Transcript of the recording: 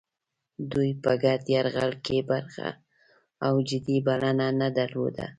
دوی په ګډ یرغل کې برخه او جدي بلنه نه درلوده.